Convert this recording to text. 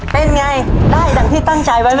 เป็นไงได้ดังที่ตั้งใจไหมครับ